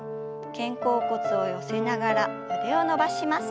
肩甲骨を寄せながら腕を伸ばします。